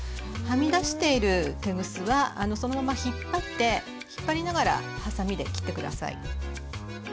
はみ出しているテグスはそのまま引っ張って引っ張りながらハサミで切って下さい。